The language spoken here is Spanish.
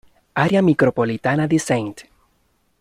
Área micropolitana de St.